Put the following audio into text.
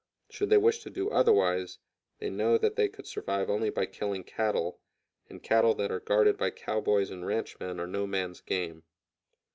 Should they wish to do otherwise they know that they could survive only by killing cattle, and cattle that are guarded by cowboys and ranchmen are no man's game.